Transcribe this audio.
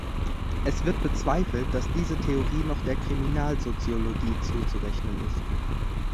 Es wird bezweifelt, dass diese Theorie noch der Kriminalsoziologie zuzurechnen ist.